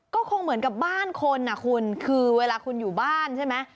ก็คงเหมือนกับบ้านคนอ่ะคุณคือเวลาคุณอยู่บ้านใช่ไหม